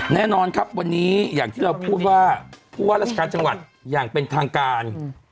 แน่นอนครับวันนี้อย่างที่เราพูดว่าผู้ว่าราชการจังหวัดอย่างเป็นทางการ